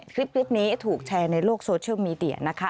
คลิปนี้ถูกแชร์ในโลกโซเชียลมีเดียนะคะ